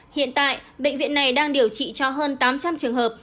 hiện tại bệnh viện này đang điều trị cho hơn tám trăm linh trường hợp